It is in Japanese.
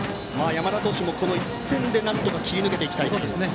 山田投手も、この１点でなんとか切り抜けたいですね。